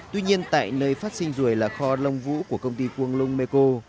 tuy nhiên tại nơi phát sinh ruồi là kho lông vũ của công ty konglung meiko